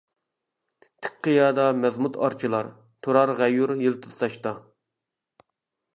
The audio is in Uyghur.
تىك قىيادا مەزمۇت ئارچىلار، تۇرار غەيۇر يىلتىزى تاشتا.